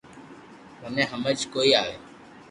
مني ھمج ڪوئي ّئي